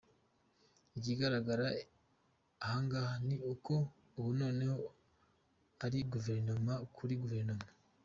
Ikigaragara ahangaha, ni uko ubu noneho ari Guverinoma kuri Guverinoma.